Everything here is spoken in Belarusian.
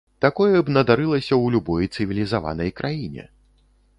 Такое б надарылася ў любой цывілізаванай краіне.